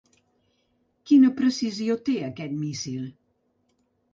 Quina precisió té aquest míssil?